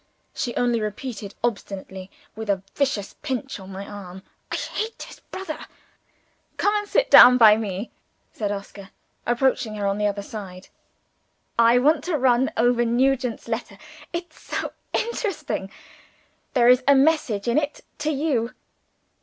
She only repeated obstinately, with a vicious pinch on my arm, "I hate his brother!" "Come and sit down by me," said Oscar, approaching her on the other side. "I want to run over Nugent's letter. It's so interesting! There is a message in it to you."